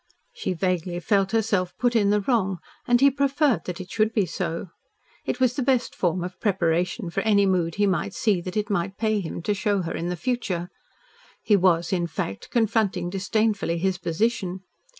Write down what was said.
She vaguely felt herself put in the wrong, and he preferred that it should be so. It was the best form of preparation for any mood he might see that it might pay him to show her in the future. He was, in fact, confronting disdainfully his position.